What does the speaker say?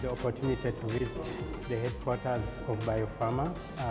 kami memiliki kesempatan untuk melawat kota bandung bio farma